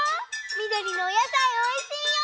みどりのおやさいおいしいよ。